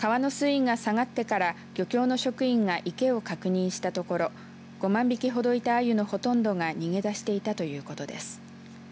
川の水位が下がってから漁協の職員が池を確認したところ５万匹ほどいたアユのほとんどが逃げ出していたということです。